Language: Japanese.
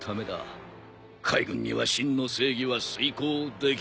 海軍には真の正義は遂行できない。